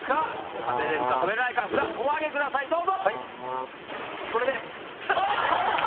食べれるか食べれないか札お挙げくださいどうぞ！